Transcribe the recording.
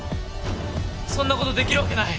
そんな事できるわけない！